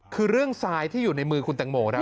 คือเรื่องทรายที่อยู่ในมือคุณแตงโมครับ